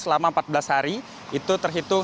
selama empat belas hari itu terhitung